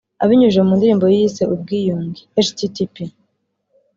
Abinyujije mu ndirimbo yise ‘Ubwiyunge’ (http